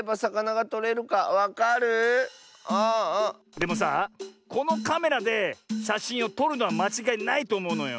でもさこのカメラでしゃしんをとるのはまちがいないとおもうのよ。